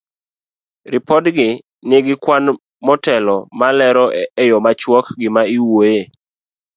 Ripodgi ni gi kwan motelo malero e yo machuok gima iwuoyoe.